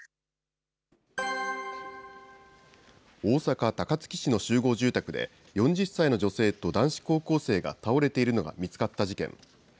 大阪・高槻市の集合住宅で、４０歳の女性と男子高校生が倒れているのが見つかった事件。